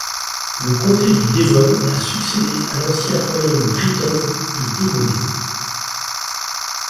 Le comté du Devon a succédé à l'ancien royaume britton de Domnonée.